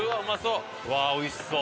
うわっおいしそう！